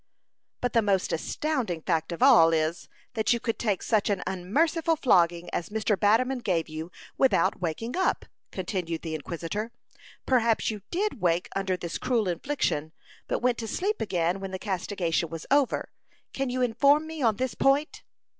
"But the most astounding fact of all is, that you could take such an unmerciful flogging as Mr. Batterman gave you without waking up," continued the inquisitor. "Perhaps you did wake under this cruel infliction, but went to sleep again when the castigation was over. Can you inform me on this point?"